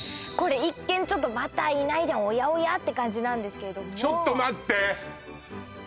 これ一見ちょっとバターいないじゃんおやおや？って感じなんですけれどもちょっと待って！